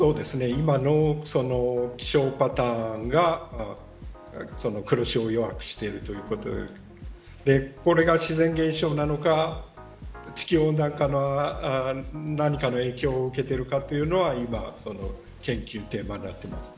今の気象パターンが黒潮を弱くしているということでこれが自然現象なのか地球温暖化の何かの影響を受けているのかというのは今、研究テーマになっています。